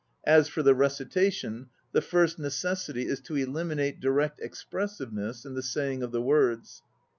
As for the recitation, the first necessity is to eliminate direct expressiveness in the saying of the words.